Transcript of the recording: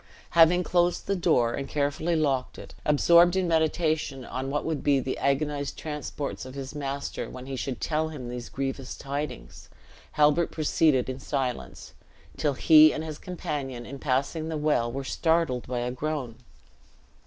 Having closed the door, and carefully locked it, absorbed in meditation on what would be the agonized transports of his master, when he should tell him these grievous tidings, Halbert proceeded in silence, till he and his companion in passing the well were startled by a groan.